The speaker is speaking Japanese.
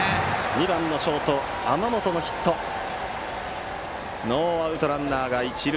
２番のショート天本のヒットでノーアウトランナー、一塁。